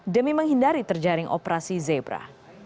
demi menghindari terjaring operasi zebra